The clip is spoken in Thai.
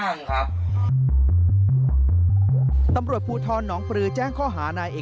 ตั้งแต่วันนี้ถึง๑๑กันยายน